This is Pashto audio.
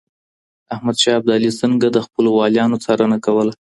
احمد شاه ابدالي څنګه د خپلو واليانو څارنه کوله؟